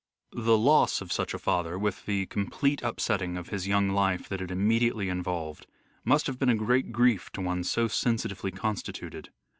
The loss of 232 " SHAKESPEARE " IDENTIFIED such a father, with the complete upsetting of his young life that it immediately involved, must have been a great grief to one so sensitively constituted.